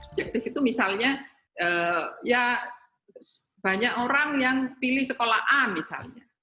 objektif itu misalnya ya banyak orang yang pilih sekolah a misalnya